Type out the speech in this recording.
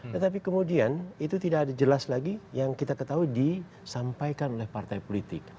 tetapi kemudian itu tidak jelas lagi yang kita ketahui disampaikan oleh partai politik